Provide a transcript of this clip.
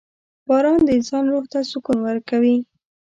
• باران د انسان روح ته سکون ورکوي.